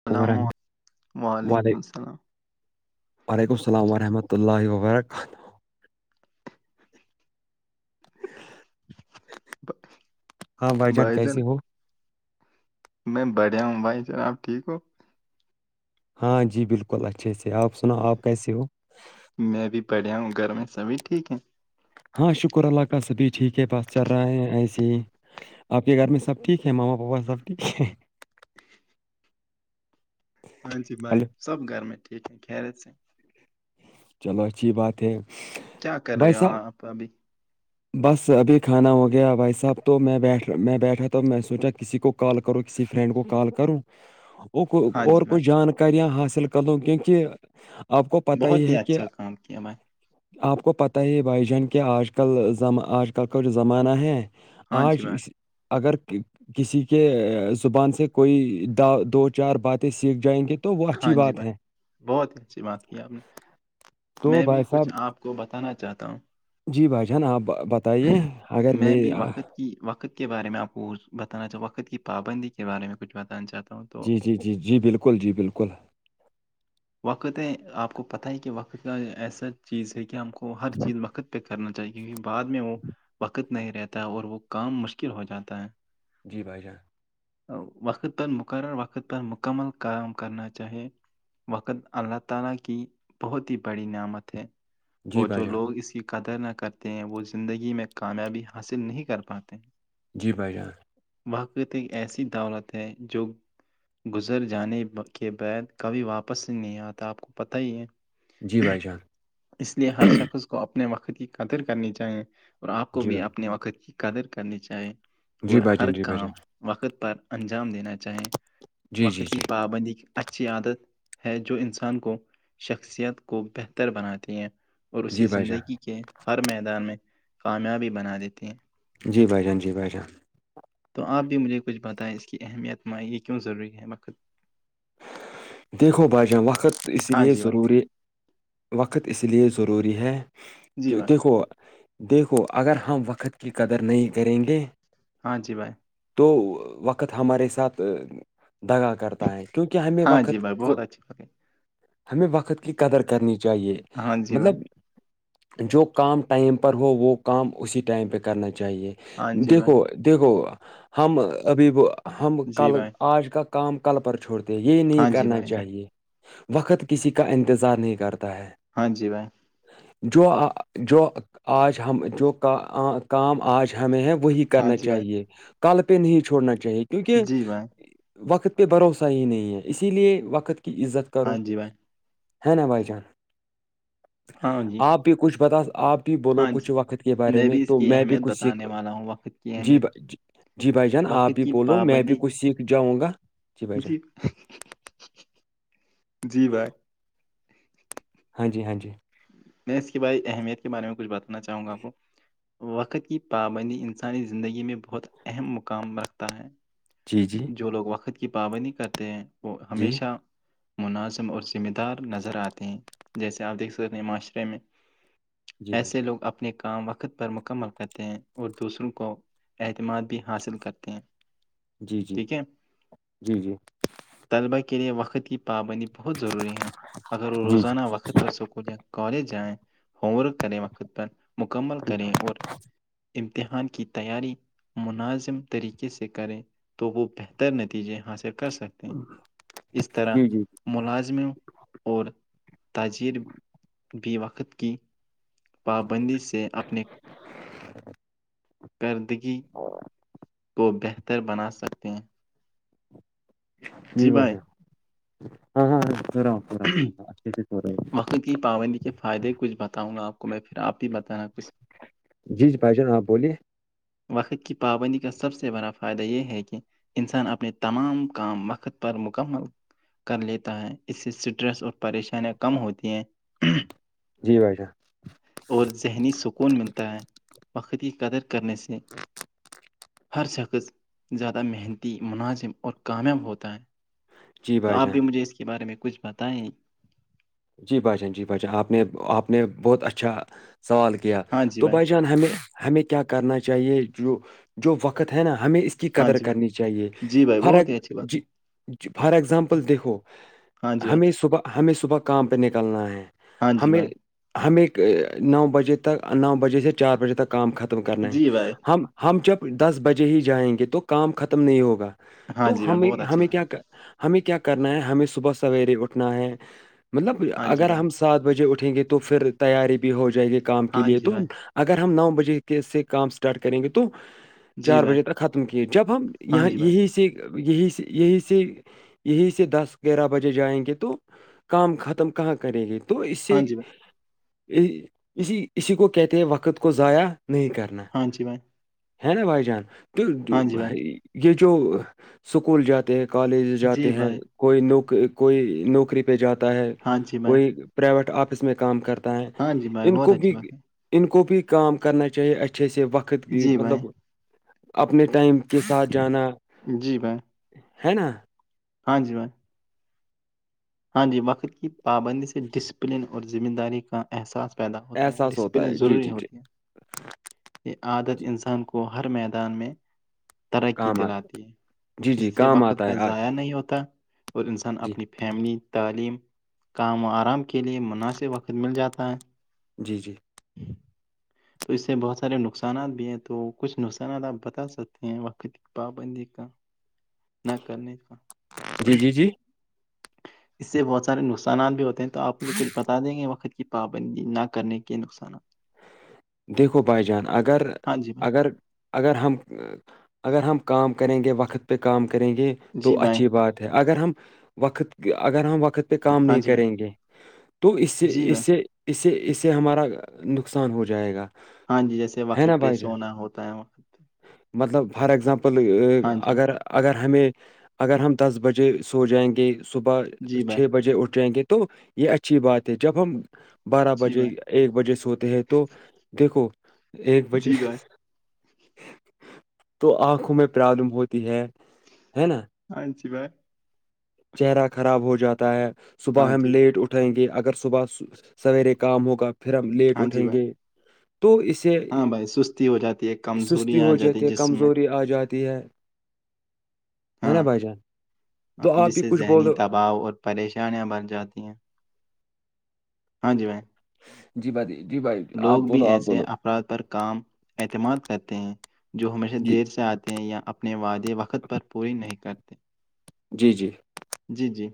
السلام ورحم علیکم و ععلیکم وعلیک السلام وعلیکم السلام ورحمۃ اللہ وبرکاتہ ب- ہاں بھائی جان کیسے ہو میں بڑھیا ہوں بھائی جناب ٹھیک ہو ہاں جی بالکل اچھے سے آپ سنو آپ کیسے ہو میں بھی پڑھیا ہوں گھر میں سبھی ٹھیک ہے ہاں شکر اللہ کا سبھی ٹھیک ہے بس چل رہے ہیں ایسے ہی آپ کے گھر میں سب ٹھیک ہے ماما پاپا سب ٹھیک ہے ےے ہاں جی بھائی ہلو سب گھر میں ٹھیک ہے خیرت سے چلو اچھی بات ہے کیا کر بھائی رہے ہو صاحب آپ ابھی بس ابھی کھانا ہو گیا بھائی صاحب تو میں بیٹھ میں بیٹھا تو میں سوچا کسی کو کال کرو کسی فرینڈ کو کال کرووں اور ہاں اور جی کوئی بھائی جانکاریاں حاصل کروں کیونکہ آپ کو پت ہی بہت ہے کہ اچھا کام کیا بھائی آپ کو پتہ ہی بھائی جان کیا آج کلم آج کل کا جو زمانہ ہے ہاں آج جی بھائی اسسی اگر کسی کے زبان سے کوئی دو چار باتیں سیکھ جائیں گے تو وہ اچھی ہاں جی بات بھائی ہے بہت اچھی بات کی آپ نے تو میں بھی بھائی کچھ صاحب آپ کو بتانا چاہتا ہوں جی بھائی جان آپ بت میں بھی وقت کہ وقت کے بارے میں آپ کو بتانا چاہ وقت کی پابندی کے بارے میں کچھ بتانا چاہتا ہوں تو جی جی جی جی بالکل جی بالکل وقت ہے آپ کو پتہ ہے کہ وقت کا ایسا چیز ہے کہ ہم کو ہر چیز وقت پہ کرنا چاہیے کیکہ بعد میں وہ وقت نہیں رہتا ہے اور وہ کام مشکل ہو جاتا ہے جی بھائی جان وقت پر مقرر وقت پر مکمل کام کرنا چاہے وقت اللہ تعالی کی بہت ہی بڑی نعمت ہے جی اور بھائی جو جان لوگ اسی قدر نہ کرتے ہیں وہ زندگی میں کامیابی حاصل نہیں کر پاتے ہیں جی بھائی جان واقیت ایک ایسی دولت ہے جو گزر جانے کے بعد کبھی واپس سے نہیں آتا آپ کو پت ہی ہے جی بھائی جان اس لیے ہر شخص کو اپنے وقت کی قدر کرنی چاہیے اور آپ کو جی بھی بھائی اپنے وقت کی قدر کرنی چاہیے جی اور بھائی ہر جان جی بھائی جان کام وقت پر انجام دینا چاہیں جی وقت جی کی جی پابندی اچھی عادت ہے جو انسان کو شخصیت کو بہتر بناتی ہیں اور اسے جی بھائی جان زندگی کے ہر میدان میں کامیابی بنا دیتے ہیں جی بھائی جان جی بھائی جان تو آپ بھی مجھے کچھ بتائیں اس کی اہمیت مائ یہ کیوں ضروری ہے مخود دیکھو بھائی جان وقت اسی ہاں لیے جی بھائی ضروری وقت اس لیے ضروری ہے جی کہ بھائی دیکھو دیکھو اگر ہم وقت کی قدر نہیں کریں گے ہاں جی بھائی تو وقت ہمارے ساتھ دگا کر کیونکہ ہمیں ہاں جی وقت بھائی بہت کو اچھی بات ہے ہمیں وقت کی قدر کرنی چاہیے ہاں جی بھائی مطلب جو کام ٹائم پر ہو وہ کام اسی ٹائم پہ کرنا چاہیے ہاں جی بھائی دیکھو دیکھو ہم ابھی ہم جی کل بھائی آج کا کام کل پر چھوڑتے یہ نہیں ہاں جی کرنا بھائی جان چاہیے وقت کسی کا انتظار نہیں کرتا ہے ہاں جی بھائی جو جو آج ہم جو کا کام آج ہمیں ہیں وہی ہاں کرنا جی بھائی چاہیے کل پہ نہیں چھوڑنا چاہیے کیونکہ جی بھائی وقت پہ بھروسہ ہی نہیں ہیں اسی لیے وقت کی عزت کرو ہاں جی بھائی ہے نا بھائی جان ہاں جی آپ بھی کچھ بتا آپ کے بھی بولو ہاں جی کچھ وقت کے بارے میں بھی اس تو کی میں بھی اہمیت کچھ سیکھ بتانے والا ہوں وقت کی جی اہمیت بھائی جی جی بھائی جان وقت آپ بھی کی بولو میں بھی پابندی کچھ سیکھ جاؤں گا بھائی جان جی جی بھائی ہاں جی ہاں جی میں اس کی بائی اہمیت کے بارے میں کچھ بتانا چاہوں گا آپ کو وقت کی پابندی انسانی زندگی میں بہت اہم مقام رکھتا ہے جی جی جو لوگ وقت کی پابندی کرتے ہیں وہ جی ہمیشہ مناظم اور ذمہ دار نظر آتے ہیں جیسے آپ دیکھ سکتے ہیں معاشرے میں جی بھائی ایسے لوگ اپنے اپنے کام وقت پر مکمل کرتے ہیں اور دوسروں کو اعتماد بھی حاصل کرتے ہیں جی جی ٹھیک ہے جی جی طلبہ کے لیے وقت کی پابندی بہت ضروری ہے اگر وہ جی روزانہ وقت پر اسکول یا کالج جائیں ہوم ورک کریں وقت پر مکمل کریں اور امتحان کی تیاری مناظم طریقے سے کریں تو وہ بہتر نتیجے حاصل کر سکتے ہیں اس طرح جی جی جی ملازموں اور تاجیر بھی وقت کی پابندی سے اپنے [inaudible] کردگی کو بہتر بنا سکتے ہیں جی بھائی باشا ہاں ہاں ہاں ررام وقی کی پابندی کے فائدے کچھ بتاؤں گا آپ کو میں پھر آپ ہی بتانا کچھ جی جی بھائی جان ہاں بولیے وقت کی پابندی کا سب سے بڑا فائدہ یہ ہے کہ انسان اپنے تمام کام وقت پر مکمل کر لیتا ہے اس سے اسٹریس اور پریشانیاں کم ہوتی ہیں جی بھائیٹان اور ذہنی سکون ملتا ہے وقری قدر کرنے سے ہر شخص زیادہ محنتی مناظم اور کامیاب ہوتا ہے جی تو بھائی آپ جان بھی مجھے اس کے بارے میں کچھ بتائیں جی بھاشان جی بھاشان آپ نے آپ نے بہت اچھا سوال کیا ہاں جی تو بھائی جان ہمیں ہمیں کیا کرنا چاہیے جو جو وقت ہے نا ہمیں اس کی ہاں قدر جی بھائی کرنی چاہیے جی بھائی فار بہت ہی اچھی بات ہے جی فار اگزامپل دیکھو ہاں جی بھائی ہمیں صبح ہمیں صبح کام پہ نکلنا ہے ہاں جی ہمیں بھائی ہمیں نو بجے تک نو بجے سے چار بجے تک کام ختم کرنا ہے جی بھائی ہم ہم جب دس بجے ہی جائیں گے تو کام ختم نہیں ہوگا ہاں تو جی بھائی ہمیں بہت اچھی ہمیں بات کیا ہے ہمیں کیا کرنا ہے ہمیں صبح سویرے اٹھنا ہے مطلب ہاں جی اگر بھائی ہم سات بجے اٹھیں گے تو پھر تیاری بھی ہو جائے گی کام کے ہاں لیے جی تو بھائی اگر ہم نو بجے کے سے کام اسٹارٹ کریں گے تو جی چار بھائی بجے تک ختم کیے جب ہم ہاں یہاں جی بھائی یہی سے یہی سے یہی سے یہیں سے دس گیارہ بجے جائیں گے تو کام ختم کہاں کریں گے تو اس سے ہاں جی بھائی اسی اسی کو کہتے وقت کو ضائع نہیں کرتے ہاں جی میں ہے نا بھائی جان تو جی بھائی یہ جو سکول جاتے کالج جی جاتے ہیں بھائی کوئی نوک کوئی نوکری پہ جاتا ہے ہاں جی بھائی کوئی پرائیویٹ آفس میں کام کرتا ہے ہاں جی بھائی ان بہت کو اچھی بھی بات ہے ان کو بھی کام کرنا چاہیے اچھے سے وقت کی جی مطلب بھائی اپنے ٹائم کے ساتھ جانا جی بھائی ہے نا ہاں جی میم ہاں جی وقت کی پابندی سے ڈسپلن اور ذمہ داری کا احساس پیدا ہوتا ہے احساس ڈسپلن ہے جی ضروری جی جی ہوتی ہیں یہ عادت جی انسان کو ہر میدان میں ترقی کام آ دلاتی ہے جی جی اس سے کام وقت آتا کا ہے آج ضائع نہیں ہوتا اور انسان جی اپنی فیملی تعلیم کام و آرام کے لیئے مناسب وقت مل جاتا ہے جی جی ہی تو اس سے بہت سارے نقصانات بھی ہیں تو کچھ نقصانات آپ بتا سکتے ہیں وقت کے پابندی کا نہ کرنے کا جی جی جی اس سے بہت سارے نقصانات بھی ہوتے ہیں تو آپ مجھے کچھ پتا بتا دیں گے وقت کی پابندی نہ کرنے کے نقصانات دیکھو بائی جان اگر ہاں جی بھائی اگر اگر ہم اگر ہم کام کریں گے وقت پہ کام کریں گے جی تو بھائی اچھی بات ہے اگر ہم وقت اگر ہم وقت کام ہاں نہیں جی بھائی کریں گے تو اس سے جی اس بھائی سے اس سے اس سے ہمارا نقصان ہو جائے جائے گا ہاں جی جیسے وقت پہ سونا ہوتا ہے وقت پہ مطلب فار ایگزامپل ہاں جی بھائی اگر اگر ہمیں اگر ہم دس بجے سو جائیں گے صبح جی بھائی چھ بجے اٹھ جائیں گے تو یہ اچھی بات ہے جب ہم بارہ جی بجے بھائی ایک بجے سوتے ہیں تو دیکھو ایک بجے جی بھائی تو آنکھوں میں پرابلم ہوتی ہے ہے نا ہاں شی بائے چہرہ خراب ہو جاتا ہے ہاں صبح ہم جی بھائی لیٹ اٹھ اٹھیں گے اگر صبح سویرے کام ہوگا پھر ہم لیٹ ہاں جی اٹھیں بھائی گے تو اسی سے ہاں بھائی سستی ہو جاتی ہے سستی کمزوریاں آ ہو جاتی ہے جسم میں کمزوری آ جاتی ہے ہے ہاں نا بائی جان تو آپ جس بھی سے کچھ ذہنی بولو دباؤ اور پریشانیاں بڑھ جاتی ہیں ہاں جی بھائی جی بھائیی جی بھائی آپ بولو آپ بولو اراد پر کام اعتماد کرتے ہیں جو ہمیشہ جی دیر سے آتے ہیں یا اپنے وادی وقت پر پوری نہیں کرتے جی جی جی جی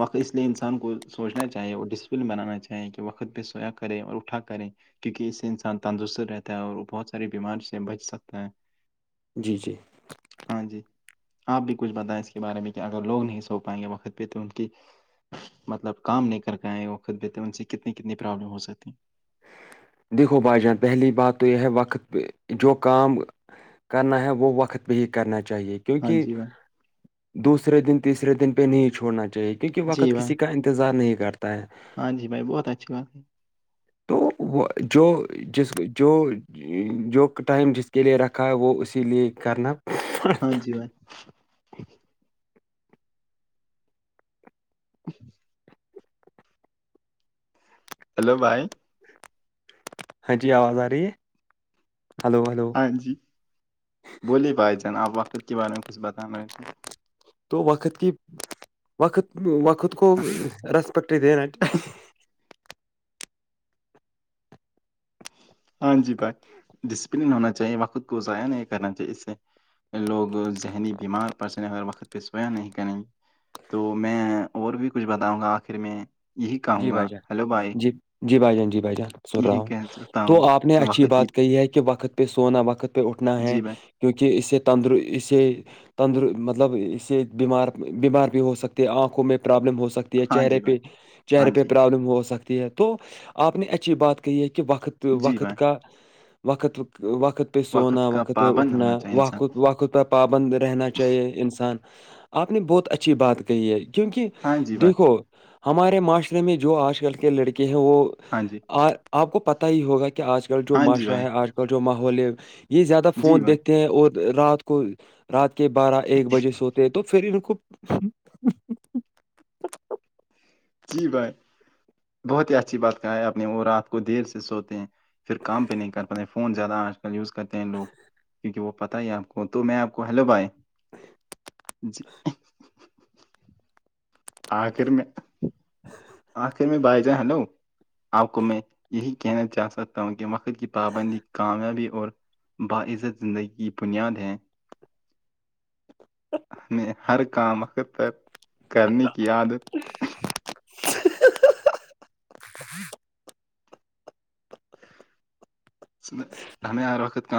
وقت اس لیے انسان کو سوچنا چاہیے اور ڈسپلن بنانا چاہیے کہ وقت پہ سوق کریں اور اٹھا کریں کیونکہ اس سے انسان تندرست رہتا ہے اور وہ بہت ساری بیماری سے بچ سکتا ہے جی جی ہاں جی آپ بھی کچھ بتائیں اس کے بارے میں کہ اگر لوگ نہیں سو پائیں گے وقت پہ تو ان کی مطلب کام نہیں کر کے آئے وہ خود بہتے ان سے کتنی کتنی پرابلم ہو سکتی دیکھو بھائی جان پہلی بات تو یہ ہے وقت پہ جو کام کرنا ہے وہ وقت پہ ہی کرنا چاہیے ہاں کیونکہ جی بھائی دوسرے دن تیسرے دن پہ نہیں چھوڑنا چاہیے کیونکہ جی وقت بھائی کسی کا انتظار نہیں کرتا ہے ہاں جی بھائی بہت اچھی بات ہے تو وہ جو جس جو جو ٹائم جس کے لیے رکھا ہے وہ اسی لیے کرنا ہاں جی بھائی [inaudible] ہیلو بھائی ہاں جی آواز آ رہی ہے ہلو ہلو ہاں جی بولیے بھائی جان آپ وقت کے بارے میں کچھ بتانے تھے تو وقت کی وقت وقت کو رس پکری دین ہاں جی بھائی ڈسپلن ہونا چاہیے وقت کو ضائع نہیں کرنا چاہیے اس سے لوگ ذہنی بیمار پڑسگر وقت پہ سویا نہیں کریں گے تو میں اور بھی کچھ بتاؤں گا آخر میں یہی کہوں جی گا بھائی جان ہیلو بھائی جی جی بھائی جان جی بھائی جان سن رہا یہی ہوں کہہ سکتا تو ہوں آپ نے کہ اچھی وقت ہی بات کہی ہے کہ وقت پہ سونا وقت پہ اٹھنا ہے جی بھائی کیونکہ اس سے تندر اسے تندر مطلب اس سے بیمار بیمار بھی ہو سکتے آنکھوں میں پرابلم ہو سکتی ہے ہاں چہرے جی پہ بھائی ہاں چہرے پہ جی پرابلم ہو سکتی ہے تو آپ نے اچھی بات کہی ہے کہ وقت جی وقت بھائی کا وقت وقت سووننا کا وقت پہ پابند ہونا اٹنا چاہیے انسان وقت وقت پر پابند رہنا چاہیے انسان آپ نے بہت اچھی بات کہی ہے کیونکہ ہاں جی بھائی دیکھو ہمارے معاشرے میں جو آج کل کے لڑکے ہیں وہ ہاں جی آپ کو پتا ہی ہوگا کہ آج کل جو ہاں جی معاشرہ بھائی ہے آج کل جو ماحول ہے یہ زیادہ جی فون بھائی دیکھتے ہیں اور رات کو رات کے بارہ ایک بجے سوتے تو پھر ان کو جی بھائی بہت ہی اچھی بات کہا ہے آپ نے وہ رات کو دیر سے سوتے ہیں پھر کام پہ نہیں کر پاتے فون زیادہ آج کل یوز کرتے ہیں لوگ کیونکہ وہ پتہ ہی آپ کو وہ تو میں آپ کو ہیلو بھائی جان آخر میں آخر میں بھائی جاں ہیلو آپ کو میں یہی کہنا چاہ سکتا ہوں کہ وقت کی پابندی کامیابی اور باعزت زندگی کی بنیاد ہیں [inaudible] ہمیں ہر کام اختتر کرنے کی عادت [inaudible] ہمیں ہر وقت کام